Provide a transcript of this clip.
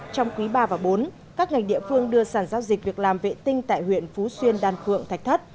trong quý iii và iv các ngành địa phương đưa sản giao dịch việc làm vệ tinh tại huyện phú xuyên đan khượng thạch thất